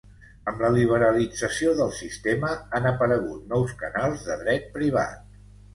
Amb la liberalització del sistema, han aparegut nous canals de dret privat.